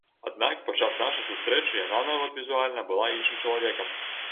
Аднак падчас нашай сустрэчы яна нават візуальна была іншым чалавекам!